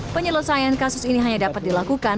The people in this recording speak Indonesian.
penyelesaian kasus ini hanya dapat dilakukan